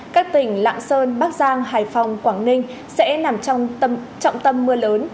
các tỉnh lạng sơn bắc giang hải phòng quảng ninh sẽ nằm trong trọng tâm mưa lớn